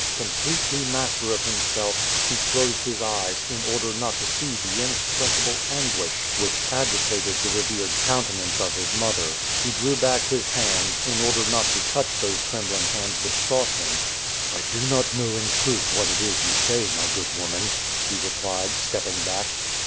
Completely master of himself, he closed his eyes, in order not to see the inexpressible anguish which agitated the revered countenance of his mother. He drew back his hands, in order not to touch those trembling hands which sought him. "I do not know in truth what it is you say, my good woman," he replied, stepping back.